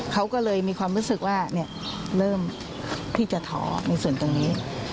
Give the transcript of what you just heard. เขาก็เลยมีความรู้สึกว่าเริ่มที่จะท้อในส่วนตรงนี้